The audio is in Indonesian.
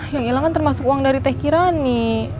yang hilang kan termasuk uang dari teh kirani